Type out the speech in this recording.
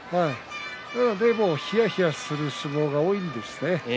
でも、ひやひやする相撲が多いんですよね。